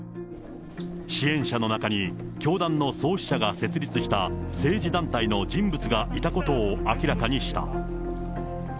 支援者の中に、教団の創始者が設立した政治団体の人物がいたことを明らかにした。